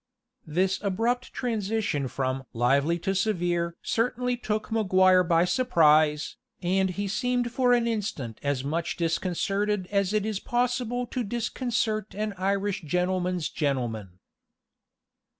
This abrupt transition from "lively to severe" certainly took Maguire by surprise, and he seemed for an instant as much disconcerted as it is possible to disconcert an Irish gentleman's gentleman.